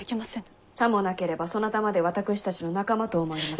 さもなければそなたまで私たちの仲間と思われます。